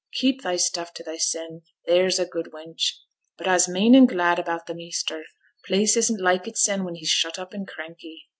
Keep thy stuff to thysen, theere's a good wench; but a'se main and glad about t' measter. Place isn't like itsen when he's shut up and cranky.'